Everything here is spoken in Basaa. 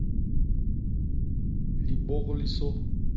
Libôk li sô.